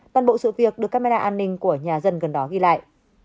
toàn bộ sự việc được camera an ninh của nhà dân gần đó ghi lại